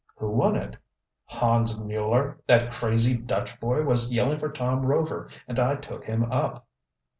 "Who won it?" "Hans Mueller. That crazy Dutch boy was yelling for Tom Rover and I took him up."